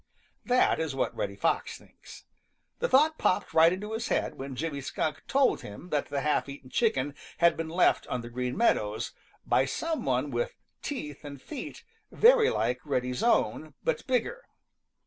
|THAT is what Reddy Fox thinks. The thought popped right into his head when Jimmy Skunk told him that the half eaten chicken had been left on the Green Meadows by some one with teeth and feet very like Reddy's own but bigger.